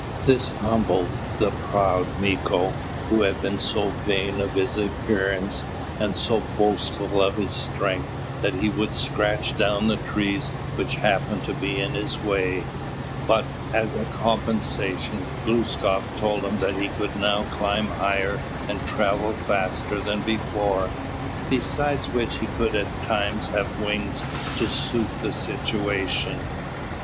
This humbled the proud Mīko, who had been so vain of his appearance, and so boastful of his strength, that he would scratch down the trees which happened to be in his way. But, as a compensation, Glūskap told him that he could now climb higher and travel faster than before, besides which he could at times have wings to suit the situation.